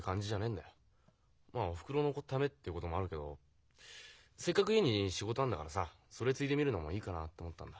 まあおふくろのためってこともあるけどせっかく家に仕事あんだからさそれ継いでみるのもいいかなと思ったんだ。